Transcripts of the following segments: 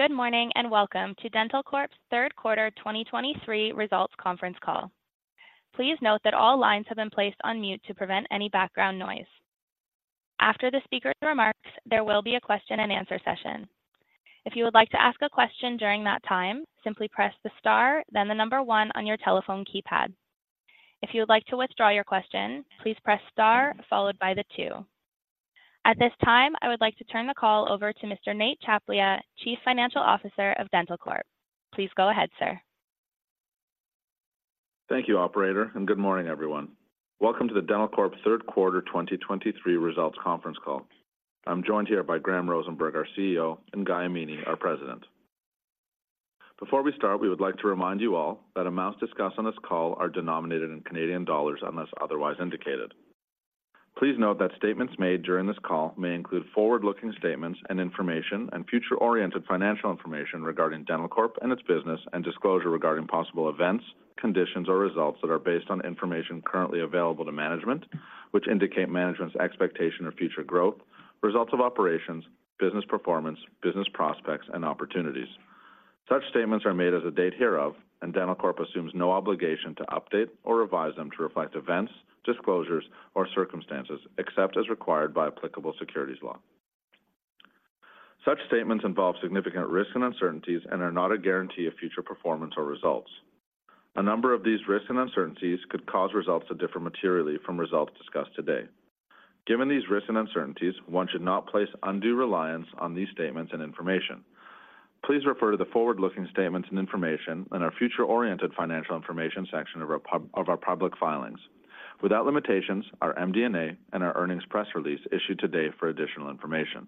Good morning, and welcome to Dentalcorp's Third Quarter 2023 Results Conference Call. Please note that all lines have been placed on mute to prevent any background noise. After the speaker's remarks, there will be a question-and-answer session. If you would like to ask a question during that time, simply press the star, then the number 1 on your telephone keypad. If you would like to withdraw your question, please press star followed by the 2. At this time, I would like to turn the call over to Mr. Nate Tchaplia, Chief Financial Officer of Dentalcorp. Please go ahead, sir. Thank you, operator, and good morning, everyone. Welcome to the Dentalcorp Third Quarter 2023 Results Conference Call. I'm joined here by Graham Rosenberg, our CEO, and Guy Amini, our president. Before we start, we would like to remind you all that amounts discussed on this call are denominated in Canadian dollars, unless otherwise indicated. Please note that statements made during this call may include forward-looking statements and information, and future-oriented financial information regarding Dentalcorp and its business, and disclosure regarding possible events, conditions, or results that are based on information currently available to management, which indicate management's expectation of future growth, results of operations, business performance, business prospects, and opportunities. Such statements are made as of the date hereof, and Dentalcorp assumes no obligation to update or revise them to reflect events, disclosures, or circumstances, except as required by applicable securities law. Such statements involve significant risks and uncertainties and are not a guarantee of future performance or results. A number of these risks and uncertainties could cause results to differ materially from results discussed today. Given these risks and uncertainties, one should not place undue reliance on these statements and information. Please refer to the forward-looking statements and information in our future-oriented financial information section of our public filings. Without limitations, our MD&A and our earnings press release issued today for additional information.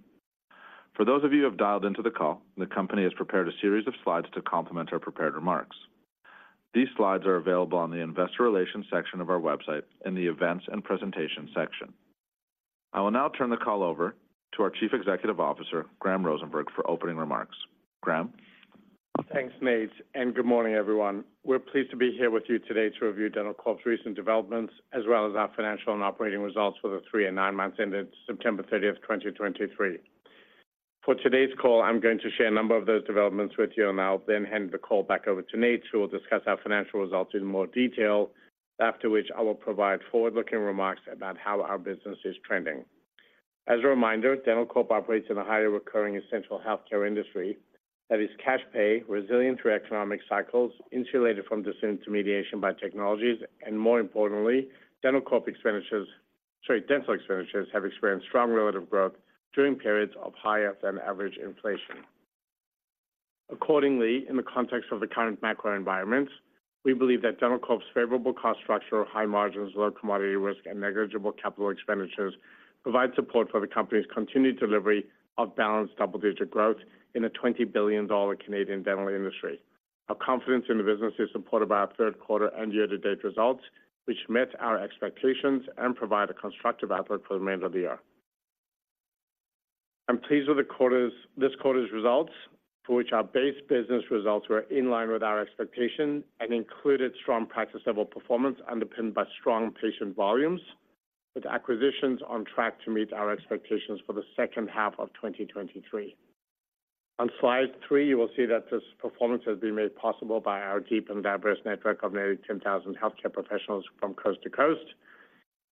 For those of you who have dialed into the call, the company has prepared a series of slides to complement our prepared remarks. These slides are available on the investor relations section of our website in the Events and Presentation section. I will now turn the call over to our Chief Executive Officer, Graham Rosenberg, for opening remarks. Graham? Thanks, Nate, and good morning, everyone. We're pleased to be here with you today to review Dentalcorp's recent developments, as well as our financial and operating results for the three and nine months ended September 30, 2023. For today's call, I'm going to share a number of those developments with you, and I'll then hand the call back over to Nate, who will discuss our financial results in more detail. After which I will provide forward-looking remarks about how our business is trending. As a reminder, Dentalcorp operates in a highly recurring essential healthcare industry that is cash pay, resilient through economic cycles, insulated from disintermediation by technologies, and more importantly, Dentalcorp expenditures - sorry, dental expenditures have experienced strong relative growth during periods of higher-than-average inflation. Accordingly, in the context of the current macro environment, we believe that Dentalcorp's favorable cost structure, high margins, low commodity risk, and negligible capital expenditures provide support for the company's continued delivery of balanced double-digit growth in the 20 billion Canadian dollars Canadian dental industry. Our confidence in the business is supported by our third quarter and year-to-date results, which met our expectations and provide a constructive outlook for the remainder of the year. I'm pleased with this quarter's results, for which our base business results were in line with our expectations and included strong practice-level performance, underpinned by strong patient volumes, with acquisitions on track to meet our expectations for the second half of 2023. On slide 3, you will see that this performance has been made possible by our deep and diverse network of nearly 10,000 healthcare professionals from coast to coast,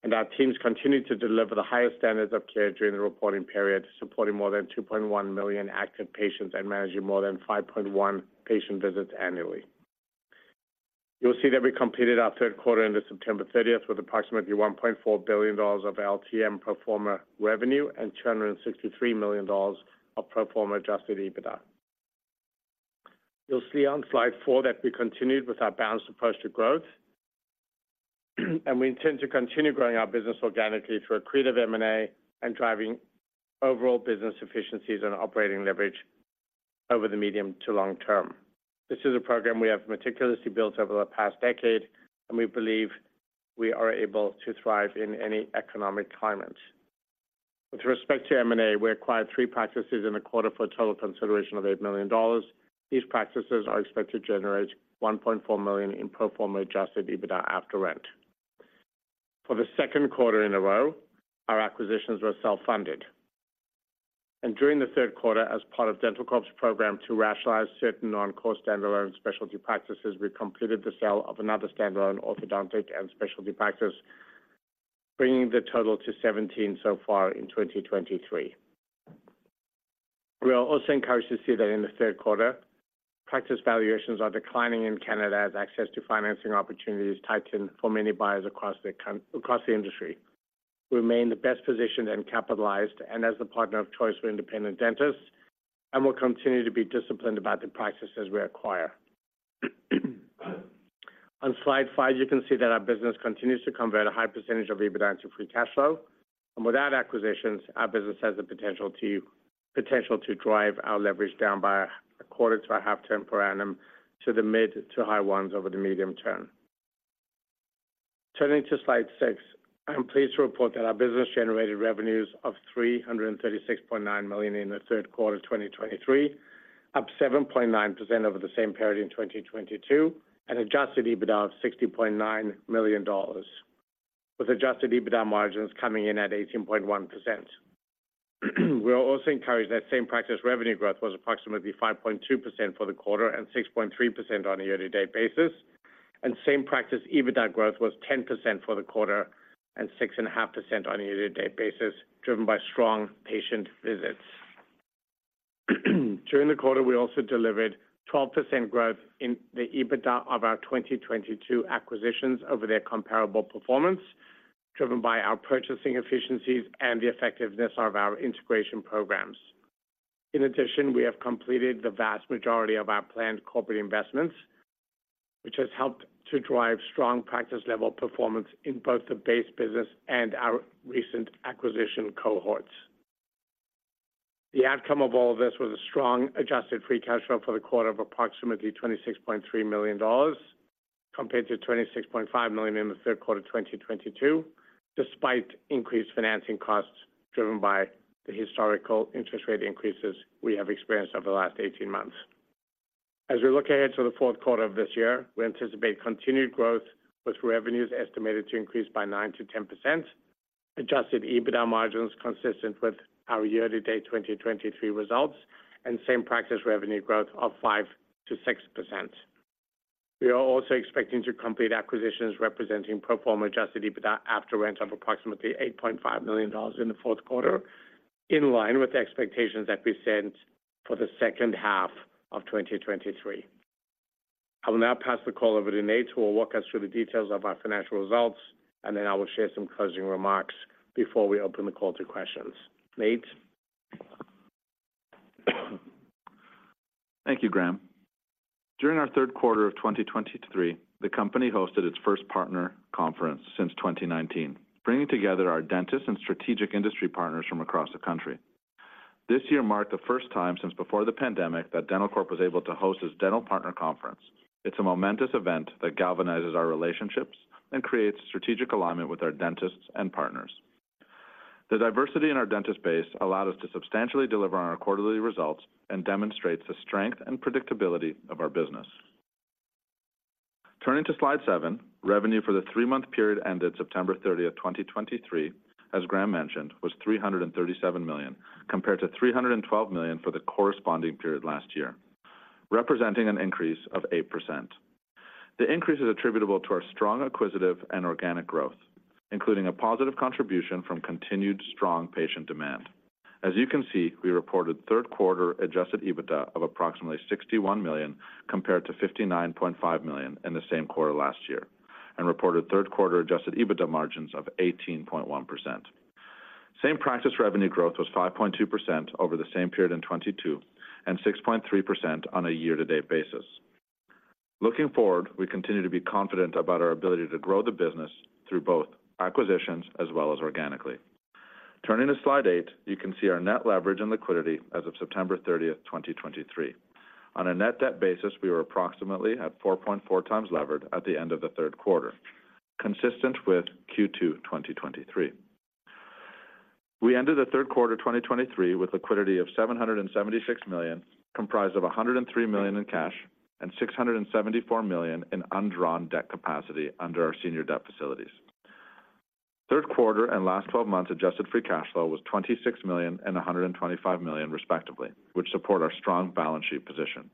and our teams continued to deliver the highest standards of care during the reporting period, supporting more than 2.1 million active patients and managing more than 5.1 patient visits annually. You'll see that we completed our third quarter into September 30th, with approximately 1.4 billion dollars of LTM pro forma revenue and 263 million dollars of pro forma Adjusted EBITDA. You'll see on slide 4 that we continued with our balanced approach to growth, and we intend to continue growing our business organically through accretive M&A and driving overall business efficiencies and operating leverage over the medium to long term. This is a program we have meticulously built over the past decade, and we believe we are able to thrive in any economic climate. With respect to M&A, we acquired three practices in the quarter for a total consideration of 8 million dollars. These practices are expected to generate 1.4 million in pro forma Adjusted EBITDA after rent. For the second quarter in a row, our acquisitions were self-funded. During the third quarter, as part of Dentalcorp's program to rationalize certain non-core standalone specialty practices, we completed the sale of another standalone orthodontic and specialty practice, bringing the total to 17 so far in 2023. We are also encouraged to see that in the third quarter, practice valuations are declining in Canada as access to financing opportunities tighten for many buyers across the industry. We remain the best positioned and capitalized, and as the partner of choice for independent dentists, and will continue to be disciplined about the practices we acquire. On slide five, you can see that our business continues to convert a high percentage of EBITDA into free cash flow, and without acquisitions, our business has the potential to drive our leverage down by a quarter to a half turn per annum to the mid to high ones over the medium term. Turning to slide six, I am pleased to report that our business generated revenues of 336.9 million in the third quarter of 2023, up 7.9% over the same period in 2022, and Adjusted EBITDA of 60.9 million dollars. With adjusted EBITDA margins coming in at 18.1%. We are also encouraged that same-practice revenue growth was approximately 5.2% for the quarter and 6.3% on a year-to-date basis, and same-practice EBITDA growth was 10% for the quarter and 6.5% on a year-to-date basis, driven by strong patient visits. During the quarter, we also delivered 12% growth in the EBITDA of our 2022 acquisitions over their comparable performance, driven by our purchasing efficiencies and the effectiveness of our integration programs. In addition, we have completed the vast majority of our planned corporate investments, which has helped to drive strong practice-level performance in both the base business and our recent acquisition cohorts. The outcome of all this was a strong Adjusted Free Cash Flow for the quarter of approximately 26.3 million dollars, compared to 26.5 million in the third quarter of 2022, despite increased financing costs driven by the historical interest rate increases we have experienced over the last 18 months. As we look ahead to the fourth quarter of this year, we anticipate continued growth, with revenues estimated to increase by 9%-10%, Adjusted EBITDA margins consistent with our year-to-date 2023 results, and Same-Practice Revenue Growth of 5%-6%. We are also expecting to complete acquisitions representing Pro Forma Adjusted EBITDA after rent of approximately 8.5 million dollars in the fourth quarter, in line with the expectations that we set for the second half of 2023. I will now pass the call over to Nate, who will walk us through the details of our financial results, and then I will share some closing remarks before we open the call to questions. Nate? Thank you, Graham. During our third quarter of 2023, the company hosted its first partner conference since 2019, bringing together our dentists and strategic industry partners from across the country. This year marked the first time since before the pandemic that Dentalcorp was able to host its dental partner conference. It's a momentous event that galvanizes our relationships and creates strategic alignment with our dentists and partners. The diversity in our dentist base allowed us to substantially deliver on our quarterly results and demonstrates the strength and predictability of our business. Turning to slide 7, revenue for the 3-month period ended September 30, 2023, as Graham mentioned, was 337 million, compared to 312 million for the corresponding period last year, representing an increase of 8%. The increase is attributable to our strong acquisitive and organic growth, including a positive contribution from continued strong patient demand. As you can see, we reported third quarter Adjusted EBITDA of approximately 61 million, compared to 59.5 million in the same quarter last year, and reported third quarter Adjusted EBITDA margins of 18.1%. Same-practice revenue growth was 5.2% over the same period in 2022, and 6.3% on a year-to-date basis. Looking forward, we continue to be confident about our ability to grow the business through both acquisitions as well as organically. Turning to slide 8, you can see our net leverage and liquidity as of September 30th, 2023. On a net debt basis, we were approximately at 4.4 times levered at the end of the third quarter, consistent with Q2 2023. We ended the third quarter 2023 with liquidity of 776 million, comprised of 103 million in cash and 674 million in undrawn debt capacity under our senior debt facilities. Third quarter and last twelve months, adjusted free cash flow was 26 million and 125 million, respectively, which support our strong balance sheet position.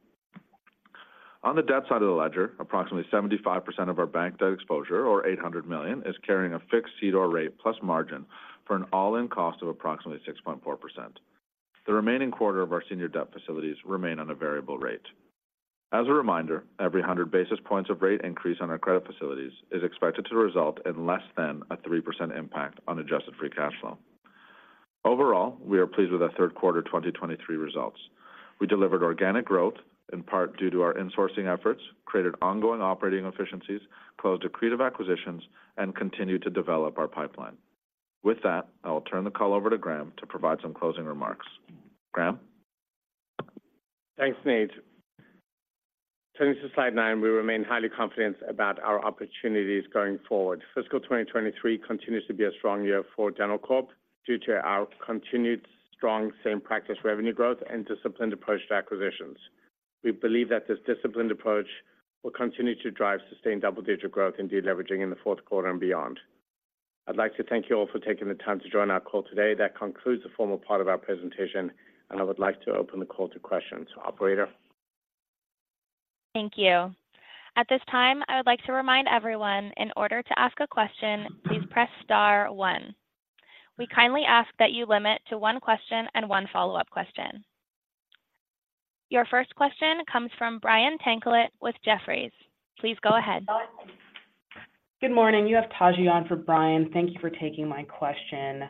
On the debt side of the ledger, approximately 75% of our bank debt exposure, or 800 million, is carrying a fixed CDOR rate plus margin for an all-in cost of approximately 6.4%. The remaining quarter of our senior debt facilities remain on a variable rate. As a reminder, every 100 basis points of rate increase on our credit facilities is expected to result in less than a 3% impact on adjusted free cash flow. Overall, we are pleased with our third quarter 2023 results. We delivered organic growth, in part due to our insourcing efforts, created ongoing operating efficiencies, closed accretive acquisitions, and continued to develop our pipeline. With that, I will turn the call over to Graham to provide some closing remarks. Graham? Thanks, Nate. Turning to slide 9, we remain highly confident about our opportunities going forward. Fiscal 2023 continues to be a strong year for Dentalcorp, due to our continued strong same-practice revenue growth and disciplined approach to acquisitions. We believe that this disciplined approach will continue to drive sustained double-digit growth and deleveraging in the fourth quarter and beyond. I'd like to thank you all for taking the time to join our call today. That concludes the formal part of our presentation, and I would like to open the call to questions. Operator? Thank you. At this time, I would like to remind everyone, in order to ask a question, please press star one. We kindly ask that you limit to one question and one follow-up question. Your first question comes from Brian Tanquilut with Jefferies. Please go ahead. Good morning. You have Taji on for Brian. Thank you for taking my question.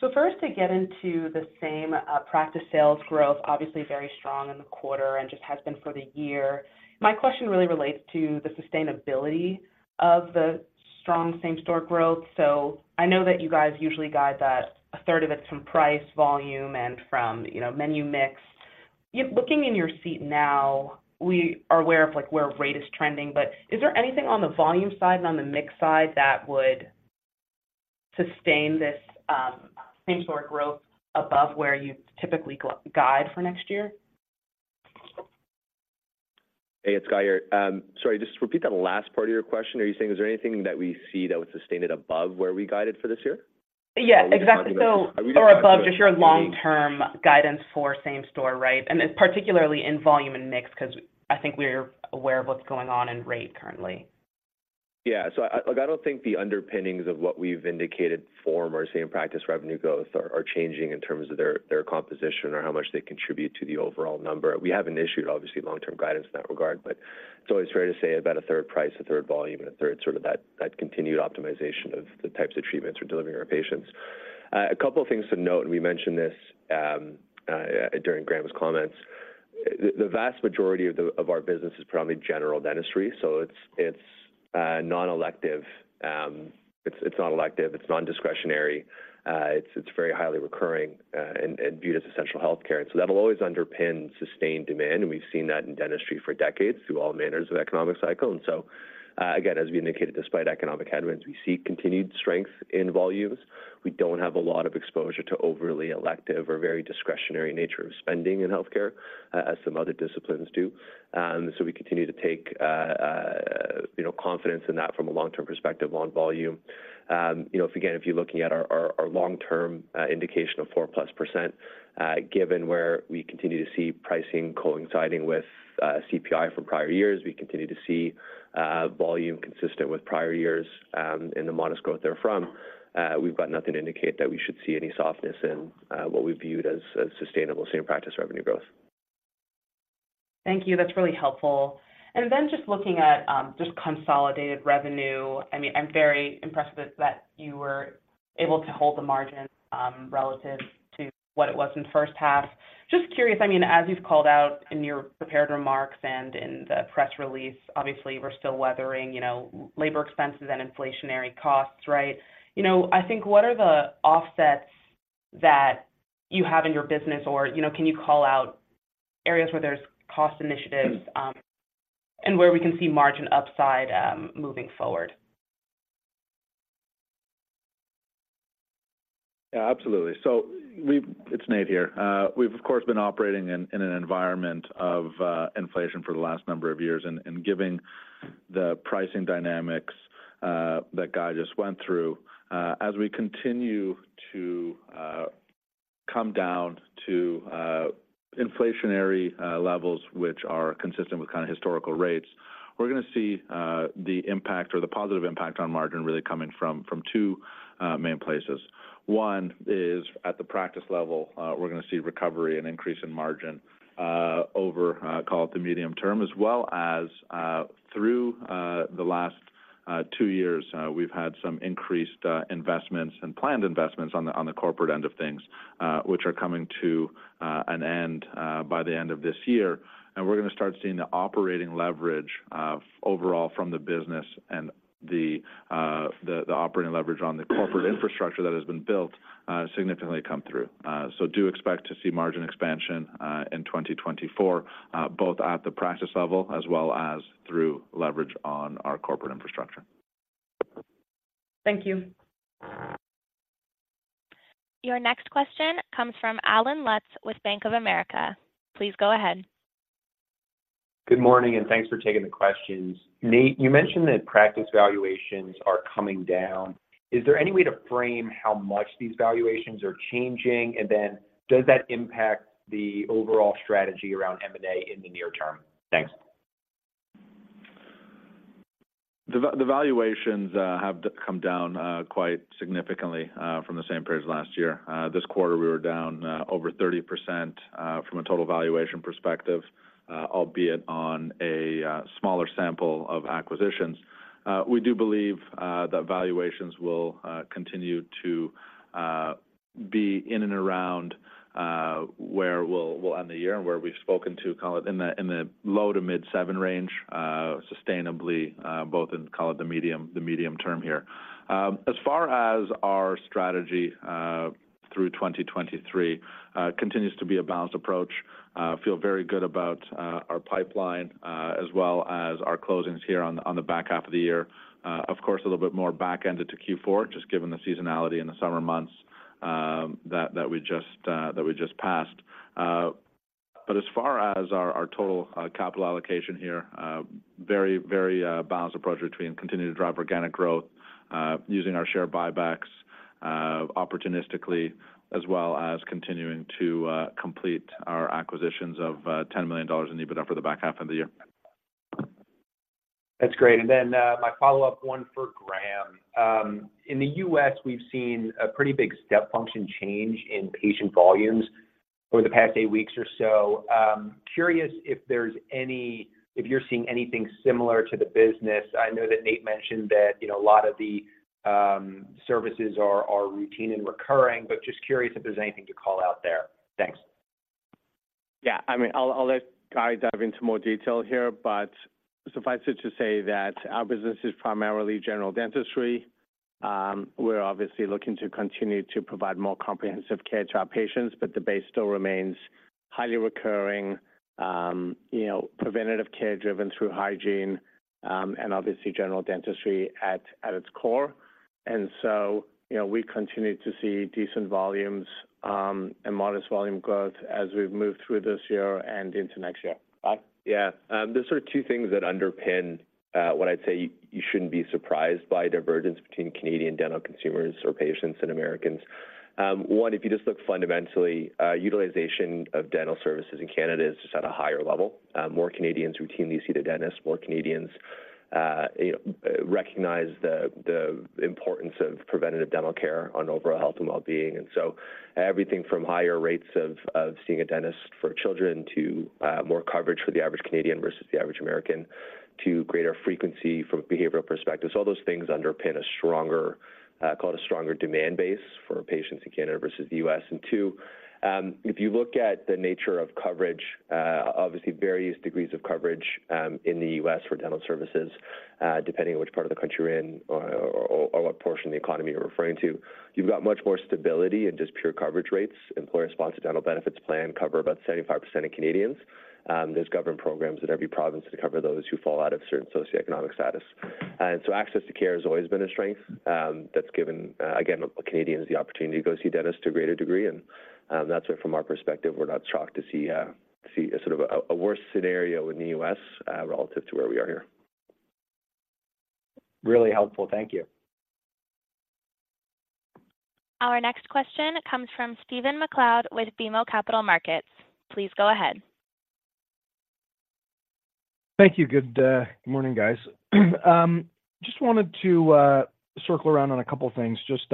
So first, to get into the same practice sales growth, obviously very strong in the quarter and just has been for the year. My question really relates to the sustainability of the strong same-store growth. So I know that you guys usually guide that a third of it's from price, volume, and from, you know, menu mix. Looking in your seat now, we are aware of, like, where rate is trending, but is there anything on the volume side and on the mix side that would sustain this same-store growth above where you typically guide for next year? ... Hey, it's Guy here. Sorry, just repeat that last part of your question. Are you saying, is there anything that we see that was sustained above where we guided for this year? Yeah, exactly. Or we- So or above just your long-term guidance for same store, right? And it's particularly in volume and mix, cause I think we're aware of what's going on in rate currently. Yeah. So, I, like, I don't think the underpinnings of what we've indicated for same practice revenue growth are changing in terms of their composition or how much they contribute to the overall number. We haven't issued, obviously, long-term guidance in that regard, but it's always fair to say about a third price, a third volume, and a third sort of that continued optimization of the types of treatments we're delivering to our patients. A couple of things to note, and we mentioned this during Graham's comments. The vast majority of our business is probably general dentistry, so it's non-elective. It's non-elective, it's nondiscretionary, it's very highly recurring, and viewed as essential healthcare. And so that'll always underpin sustained demand, and we've seen that in dentistry for decades through all manners of economic cycle. And so, again, as we indicated, despite economic headwinds, we see continued strength in volumes. We don't have a lot of exposure to overly elective or very discretionary nature of spending in healthcare, as some other disciplines do. So we continue to take, you know, confidence in that from a long-term perspective on volume. You know, if again you're looking at our long-term indication of 4%+, given where we continue to see pricing coinciding with CPI from prior years, we continue to see volume consistent with prior years, and the modest growth therefrom. We've got nothing to indicate that we should see any softness in what we viewed as sustainable same-practice revenue growth. Thank you. That's really helpful. And then just looking at just consolidated revenue, I mean, I'm very impressed that that you were able to hold the margin relative to what it was in the first half. Just curious, I mean, as you've called out in your prepared remarks and in the press release, obviously, we're still weathering, you know, labor expenses and inflationary costs, right? You know, I think what are the offsets that you have in your business or, you know, can you call out areas where there's cost initiatives and where we can see margin upside moving forward? Yeah, absolutely. So, it's Nate here. We've, of course, been operating in an environment of inflation for the last number of years, and giving the pricing dynamics that Guy just went through. As we continue to come down to inflationary levels, which are consistent with kinda historical rates, we're gonna see the impact or the positive impact on margin really coming from two main places. One is at the practice level, we're gonna see recovery and increase in margin over call it the medium term, as well as through the last two years, we've had some increased investments and planned investments on the corporate end of things, which are coming to an end by the end of this year. We're gonna start seeing the operating leverage overall from the business and the operating leverage on the corporate infrastructure that has been built, significantly come through. So do expect to see margin expansion in 2024 both at the practice level as well as through leverage on our corporate infrastructure. Thank you. Your next question comes from Allen Lutz with Bank of America. Please go ahead. Good morning, and thanks for taking the questions. Nate, you mentioned that practice valuations are coming down. Is there any way to frame how much these valuations are changing? And then does that impact the overall strategy around M&A in the near term? Thanks. The valuations have come down quite significantly from the same period last year. This quarter, we were down over 30% from a total valuation perspective, albeit on a smaller sample of acquisitions. We do believe that valuations will continue to be in and around where we'll end the year and where we've spoken to, call it, in the low- to mid-7 range, sustainably, both in, call it, the medium term here. As far as our strategy through 2023 continues to be a balanced approach, feel very good about our pipeline as well as our closings here on the back half of the year. Of course, a little bit more back-ended to Q4, just given the seasonality in the summer months, that we just passed. But as far as our total capital allocation here, very, very balanced approach between continuing to drive organic growth, using our share buybacks opportunistically, as well as continuing to complete our acquisitions of 10 million dollars in EBITDA for the back half of the year. That's great. And then, my follow-up one for Graham. In the U.S., we've seen a pretty big step function change in patient volumes over the past 8 weeks or so. Curious if you're seeing anything similar to the business. I know that Nate mentioned that, you know, a lot of the services are routine and recurring, but just curious if there's anything to call out there. Thanks. Yeah, I mean, I'll let Guy dive into more detail here, but suffice it to say that our business is primarily general dentistry. We're obviously looking to continue to provide more comprehensive care to our patients, but the base still remains.... highly recurring, you know, preventative care driven through hygiene, and obviously general dentistry at its core. And so, you know, we continue to see decent volumes, and modest volume growth as we've moved through this year and into next year. Guy? Yeah. There's sort of two things that underpin what I'd say you shouldn't be surprised by divergence between Canadian dental consumers or patients and Americans. One, if you just look fundamentally, utilization of dental services in Canada is just at a higher level. More Canadians routinely see the dentist, more Canadians, you know, recognize the importance of preventative dental care on overall health and well-being. And so everything from higher rates of seeing a dentist for children to more coverage for the average Canadian versus the average American, to greater frequency from a behavioral perspective. So all those things underpin a stronger, call it a stronger demand base for patients in Canada versus the U.S.And two, if you look at the nature of coverage, obviously, various degrees of coverage, in the U.S. for dental services, depending on which part of the country you're in or what portion of the economy you're referring to, you've got much more stability and just pure coverage rates. Employer-sponsored dental benefits plan cover about 75% of Canadians. There's government programs in every province to cover those who fall out of certain socioeconomic status. And so access to care has always been a strength, that's given, again, Canadians the opportunity to go see dentists to a greater degree, and, that's it from our perspective. We're not shocked to see to see a sort of a worse scenario in the U.S., relative to where we are here. Really helpful. Thank you. Our next question comes from Stephen MacLeod with BMO Capital Markets. Please go ahead. Thank you. Good morning, guys. Just wanted to circle around on a couple of things. Just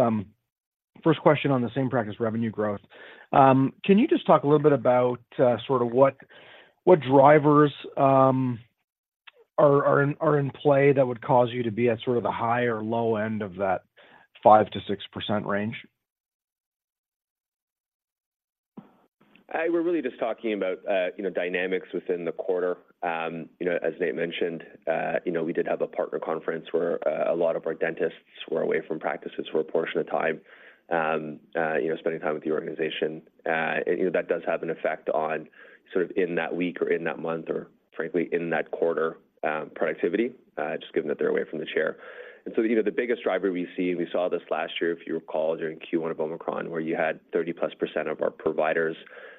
first question on the Same-Practice Revenue Growth. Can you just talk a little bit about sort of what drivers are in play that would cause you to be at sort of the high or low end of that 5%-6% range? We're really just talking about, you know, dynamics within the quarter. You know, as Nate mentioned, you know, we did have a partner conference where a lot of our dentists were away from practices for a portion of time, you know, spending time with the organization. And, you know, that does have an effect on sort of in that week or in that month, or frankly, in that quarter, productivity, just given that they're away from the chair. So, you know, the biggest driver we see, and we saw this last year, if you recall, during Q1 of Omicron, where you had 30%+ of our providers,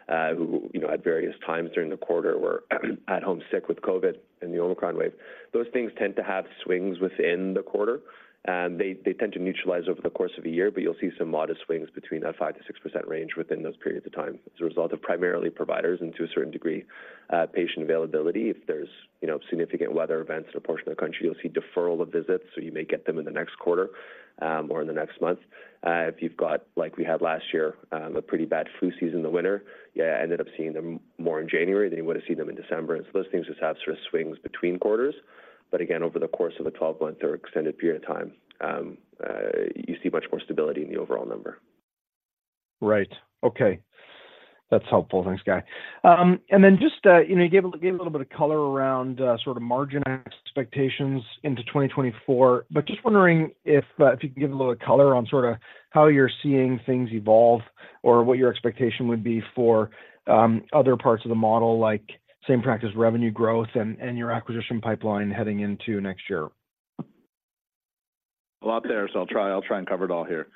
who, you know, at various times during the quarter were at home sick with COVID in the Omicron wave. Those things tend to have swings within the quarter, and they tend to neutralize over the course of a year, but you'll see some modest swings between that 5%-6% range within those periods of time as a result of primarily providers and to a certain degree, patient availability. If there's, you know, significant weather events in a portion of the country, you'll see deferral of visits, so you may get them in the next quarter, or in the next month. If you've got, like we had last year, a pretty bad flu season in the winter, you ended up seeing them more in January than you would have seen them in December. And so those things just have sort of swings between quarters. But again, over the course of a 12-month or extended period of time, you see much more stability in the overall number. Right. Okay. That's helpful. Thanks, Guy. And then just, you know, you gave a little bit of color around sort of margin expectations into 2024. But just wondering if you could give a little color on sort of how you're seeing things evolve or what your expectation would be for other parts of the model, like Same-Practice Revenue Growth and your acquisition pipeline heading into next year? A lot there, so I'll try, I'll try and cover it all here.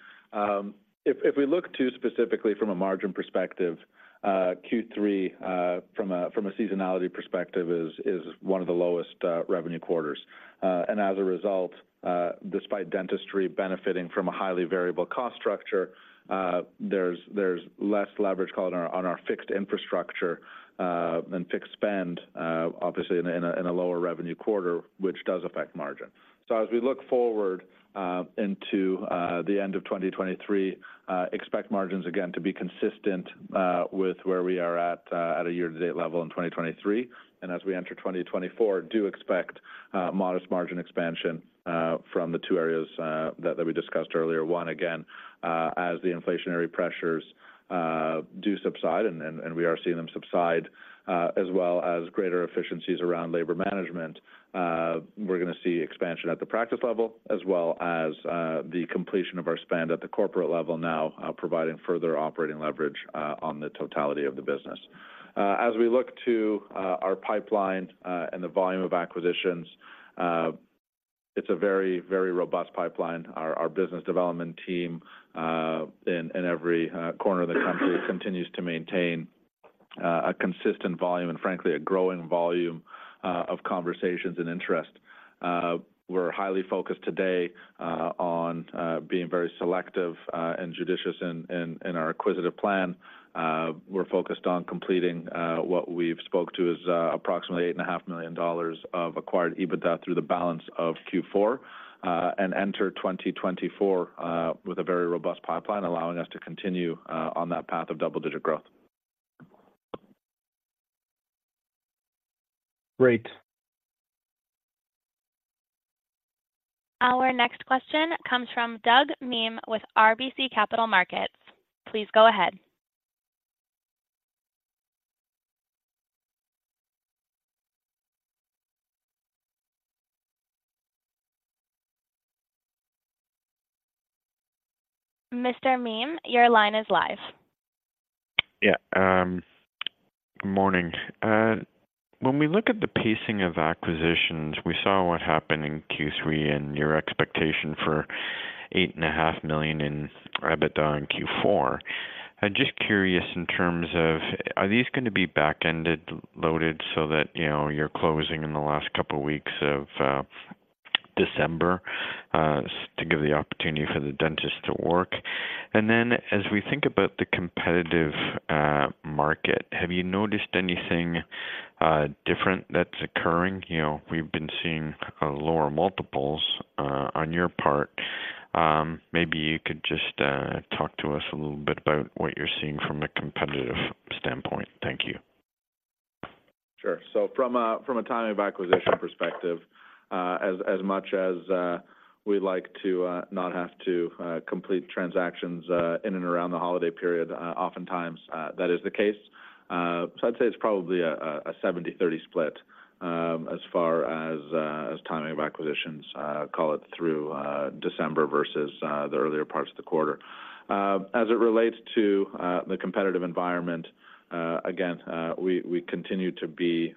If we look to specifically from a margin perspective, Q3 from a seasonality perspective is one of the lowest revenue quarters. And as a result, despite dentistry benefiting from a highly variable cost structure, there's less leverage call it on our fixed infrastructure and fixed spend, obviously in a lower revenue quarter, which does affect margin. So as we look forward into the end of 2023, expect margins again to be consistent with where we are at a year-to-date level in 2023. And as we enter 2024, do expect modest margin expansion from the two areas that we discussed earlier. One, again, as the inflationary pressures do subside, and we are seeing them subside, as well as greater efficiencies around labor management, we're gonna see expansion at the practice level, as well as the completion of our spend at the corporate level now, providing further operating leverage on the totality of the business. As we look to our pipeline and the volume of acquisitions, it's a very, very robust pipeline. Our business development team in every corner of the country continues to maintain a consistent volume and frankly a growing volume of conversations and interest. We're highly focused today on being very selective and judicious in our acquisitive plan. We're focused on completing what we've spoke to as approximately 8.5 million dollars of acquired EBITDA through the balance of Q4 and enter 2024 with a very robust pipeline, allowing us to continue on that path of double-digit growth. Great. Our next question comes from Doug Miehm with RBC Capital Markets. Please go ahead. Mr. Miehm, your line is live. Yeah, good morning. When we look at the pacing of acquisitions, we saw what happened in Q3 and your expectation for 8.5 million in EBITDA in Q4. I'm just curious, in terms of, are these going to be back-ended loaded so that, you know, you're closing in the last couple of weeks of December to give the opportunity for the dentist to work? And then as we think about the competitive market, have you noticed anything different that's occurring? You know, we've been seeing lower multiples on your part. Maybe you could just talk to us a little bit about what you're seeing from a competitive standpoint. Thank you. Sure. So from a timing of acquisition perspective, as much as we'd like to not have to complete transactions in and around the holiday period, oftentimes that is the case. So I'd say it's probably a 70/30 split, as far as timing of acquisitions, call it through December versus the earlier parts of the quarter. As it relates to the competitive environment, again, we continue to be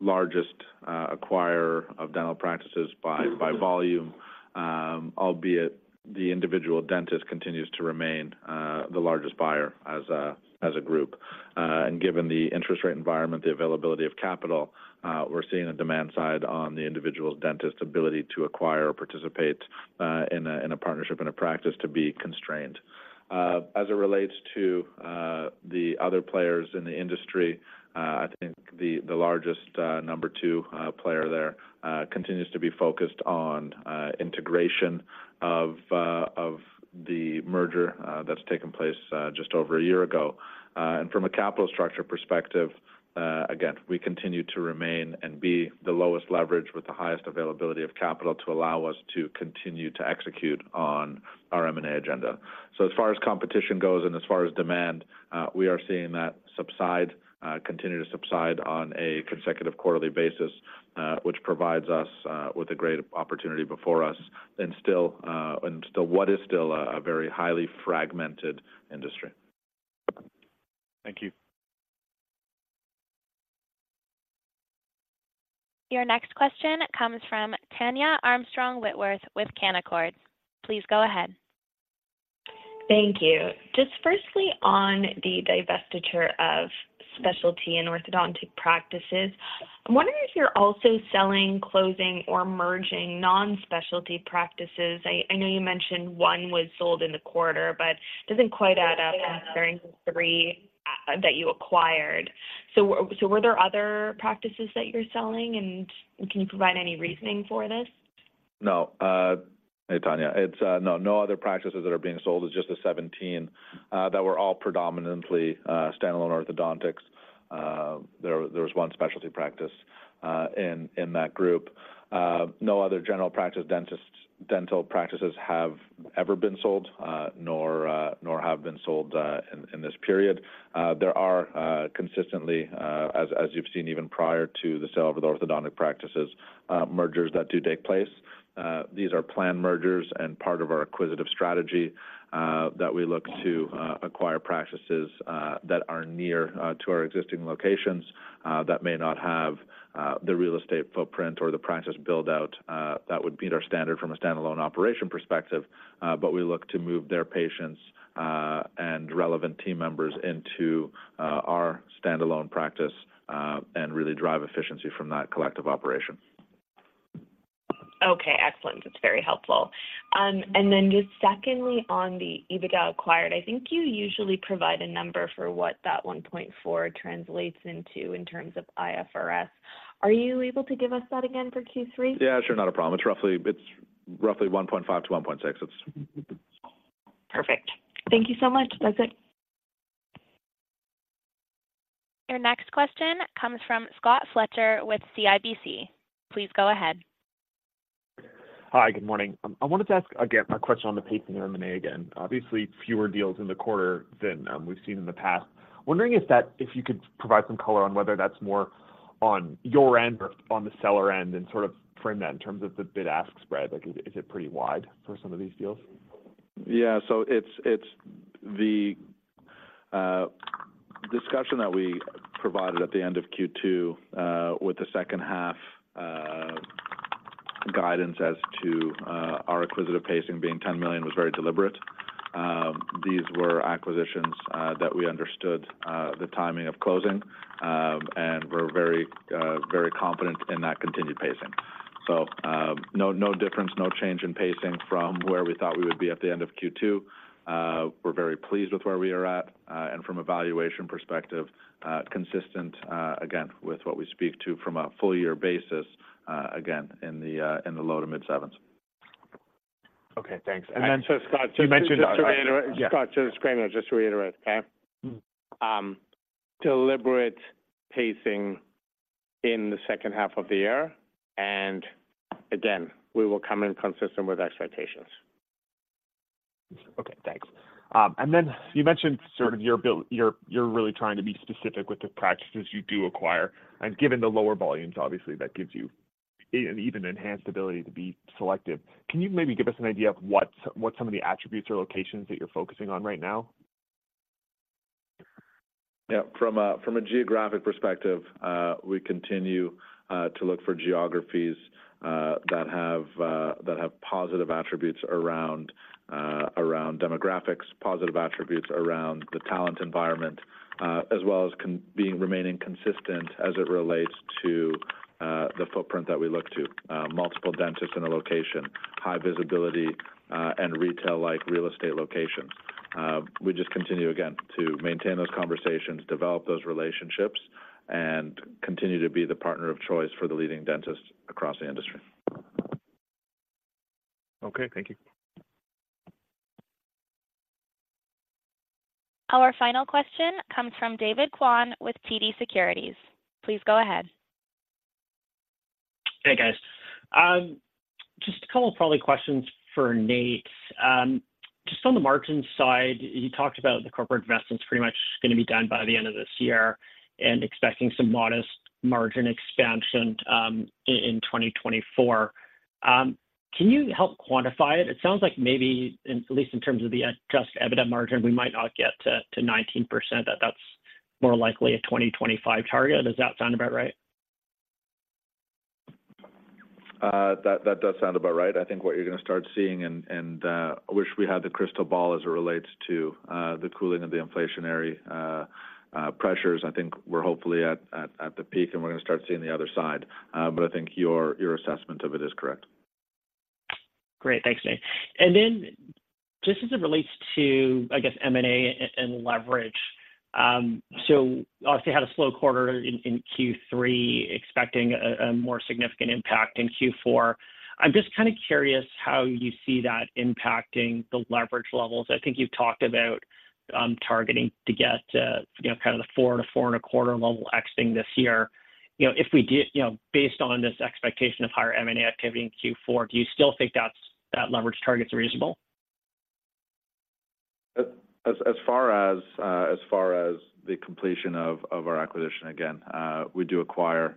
the largest acquirer of dental practices by volume, albeit the individual dentist continues to remain the largest buyer as a group. And given the interest rate environment, the availability of capital, we're seeing a demand side on the individual dentist ability to acquire or participate in a partnership in a practice to be constrained. As it relates to the other players in the industry, I think the largest number two player there continues to be focused on integration of the merger that's taken place just over a year ago. And from a capital structure perspective, again, we continue to remain and be the lowest leverage with the highest availability of capital to allow us to continue to execute on our M&A agenda. So as far as competition goes and as far as demand, we are seeing that subside, continue to subside on a consecutive quarterly basis, which provides us with a great opportunity before us and still, and still what is still a very highly fragmented industry. Thank you. Your next question comes from Tania Armstrong-Whitworth with Canaccord. Please go ahead. Thank you. Just firstly, on the divestiture of specialty and orthodontic practices, I'm wondering if you're also selling, closing, or merging non-specialty practices. I know you mentioned one was sold in the quarter, but it doesn't quite add up as there were three that you acquired. So were there other practices that you're selling, and can you provide any reasoning for this? No. Hey, Tanya. It's no, no other practices that are being sold. It's just the 17 that were all predominantly standalone orthodontics. There was one specialty practice in that group. No other general practice dentists, dental practices have ever been sold, nor have been sold in this period. There are consistently, as you've seen, even prior to the sale of the orthodontic practices, mergers that do take place. These are planned mergers and part of our acquisitive strategy that we look to acquire practices that are near to our existing locations that may not have the real estate footprint or the practice build-out that would meet our standard from a standalone operation perspective, but we look to move their patients and relevant team members into our standalone practice and really drive efficiency from that collective operation. Okay, excellent. That's very helpful. And then just secondly, on the EBITDA acquired, I think you usually provide a number for what that 1.4 translates into in terms of IFRS. Are you able to give us that again for Q3? Yeah, sure. Not a problem. It's roughly, it's roughly 1.5-1.6. It's... Perfect. Thank you so much. That's it. Your next question comes from Scott Fletcher with CIBC. Please go ahead. Hi, good morning. I wanted to ask, again, a question on the pacing of M&A again. Obviously, fewer deals in the quarter than we've seen in the past. Wondering if you could provide some color on whether that's more on your end or on the seller end, and sort of frame that in terms of the bid-ask spread. Like, is it pretty wide for some of these deals? Yeah. So it's the discussion that we provided at the end of Q2 with the second half guidance as to our acquisitive pacing being 10 million was very deliberate. These were acquisitions that we understood the timing of closing, and we're very very confident in that continued pacing. So no difference, no change in pacing from where we thought we would be at the end of Q2. We're very pleased with where we are at, and from a valuation perspective consistent again with what we speak to from a full year basis again in the low-to-mid 7s. Okay, thanks. And then- Scott, just to reiterate- Yeah. Scott, so just to reiterate, okay? Deliberate pacing in the second half of the year, and again, we will come in consistent with expectations. ... Okay, thanks. And then you mentioned sort of you're really trying to be specific with the practices you do acquire, and given the lower volumes, obviously, that gives you an even enhanced ability to be selective. Can you maybe give us an idea of what some of the attributes or locations that you're focusing on right now? Yeah. From a geographic perspective, we continue to look for geographies that have positive attributes around demographics, positive attributes around the talent environment, as well as being remaining consistent as it relates to the footprint that we look to. Multiple dentists in a location, high visibility, and retail-like real estate locations. We just continue, again, to maintain those conversations, develop those relationships, and continue to be the partner of choice for the leading dentists across the industry. Okay, thank you. Our final question comes from David Kwan with TD Securities. Please go ahead. Hey, guys. Just a couple of probably questions for Nate. Just on the margin side, you talked about the corporate investments pretty much gonna be done by the end of this year and expecting some modest margin expansion in 2024. Can you help quantify it? It sounds like maybe at least in terms of the Adjusted EBITDA margin, we might not get to 19%, that's more likely a 2025 target. Does that sound about right? That does sound about right. I think what you're gonna start seeing, I wish we had the crystal ball as it relates to the cooling of the inflationary pressures. I think we're hopefully at the peak, and we're gonna start seeing the other side. But I think your assessment of it is correct. Great. Thanks, Nate. And then just as it relates to, I guess, M&A and leverage, so obviously had a slow quarter in Q3, expecting a more significant impact in Q4. I'm just kind of curious how you see that impacting the leverage levels. I think you've talked about targeting to get to, you know, kind of the 4-4.25 level exiting this year. You know, if we did... You know, based on this expectation of higher M&A activity in Q4, do you still think that's, that leverage target is reasonable? As far as the completion of our acquisition, again, we do acquire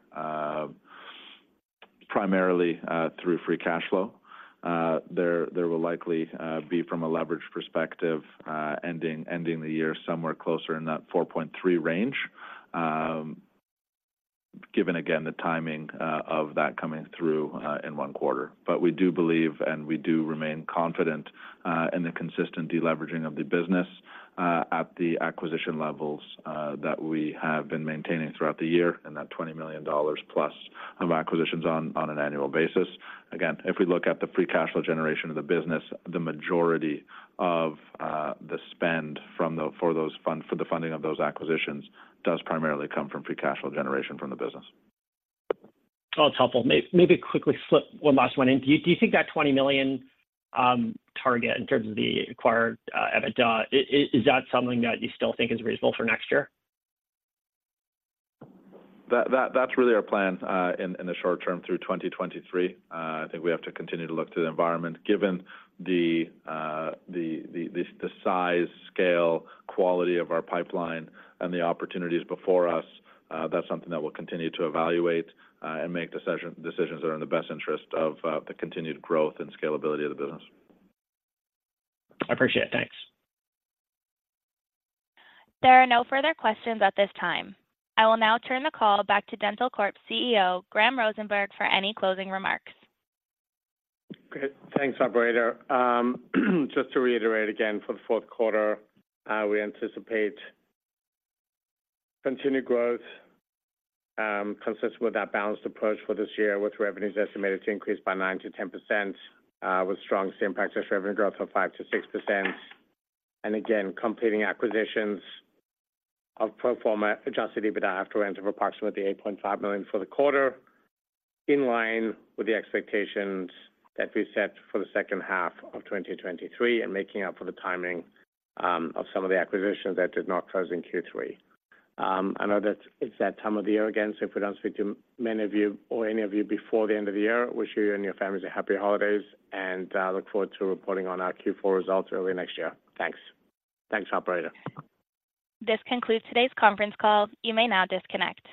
primarily through free cash flow. There will likely be from a leverage perspective ending the year somewhere closer in that 4.3 range, given again the timing of that coming through in one quarter. But we do believe, and we do remain confident in the consistent deleveraging of the business at the acquisition levels that we have been maintaining throughout the year, and that 20 million dollars plus of acquisitions on an annual basis. Again, if we look at the free cash flow generation of the business, the majority of the spend for the funding of those acquisitions does primarily come from free cash flow generation from the business. Oh, it's helpful. Maybe quickly slip one last one in. Do you think that 20 million target in terms of the acquired EBITDA is that something that you still think is reasonable for next year? That's really our plan in the short term, through 2023. I think we have to continue to look to the environment. Given the size, scale, quality of our pipeline and the opportunities before us, that's something that we'll continue to evaluate and make decisions that are in the best interest of the continued growth and scalability of the business. I appreciate it. Thanks. There are no further questions at this time. I will now turn the call back to Dentalcorp's CEO, Graham Rosenberg, for any closing remarks. Great. Thanks, operator. Just to reiterate again, for the fourth quarter, we anticipate continued growth, consistent with that balanced approach for this year, with revenues estimated to increase by 9%-10%, with strong same-practice revenue growth of 5%-6%. And again, completing acquisitions of pro forma Adjusted EBITDA after rent of approximately 8.5 million for the quarter, in line with the expectations that we set for the second half of 2023 and making up for the timing, of some of the acquisitions that did not close in Q3.I know that it's that time of the year again, so if we don't speak to many of you or any of you before the end of the year, wish you and your families a happy holiday, and look forward to reporting on our Q4 results early next year. Thanks. Thanks, operator. This concludes today's conference call. You may now disconnect.